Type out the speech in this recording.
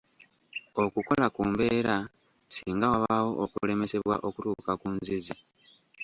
Okukola ku mbeera singa wabaawo okulemesebwa okutuuka ku nzizi.